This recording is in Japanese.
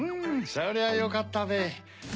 そりゃよかったべ。